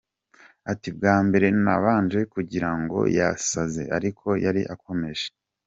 Ati “Bwa mbere nabanje kugira ngo yasaze, ariko yari akomeje.